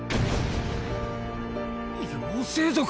妖精族？